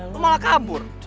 lu malah kabur